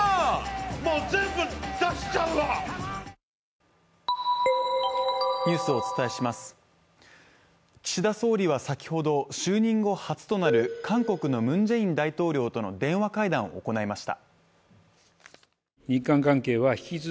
もう全部出しちゃうわ岸田総理は先ほど就任後初となる韓国のムン・ジェイン大統領との電話会談を行いました。